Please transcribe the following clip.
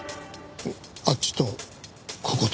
あっちとここと。